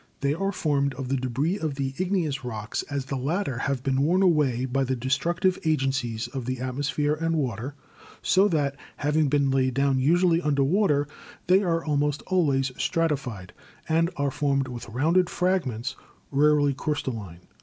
They are formed of the debris of the Igneous rocks as the latter have been worn away by the destructive agencies of the atmosphere and water, so that, having been laid down usually under water, they are almost always strati fied, and are formed with rounded fragments rarely crys talline.